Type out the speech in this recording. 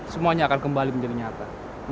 semuanya akan kembali menjadi nyata